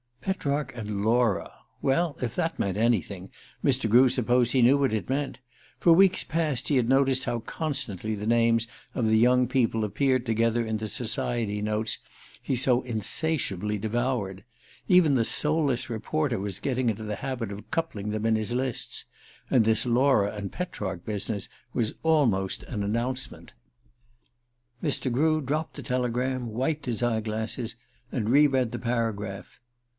Petrarch and Laura! Well if anything meant anything, Mr. Grew supposed he knew what that meant. For weeks past he had noticed how constantly the names of the young people appeared together in the society notes he so insatiably devoured. Even the soulless reporter was getting into the habit of coupling them in his lists. And this Laura and Petrarch business was almost an announcement... Mr. Grew dropped the telegram, wiped his eye glasses, and re read the paragraph.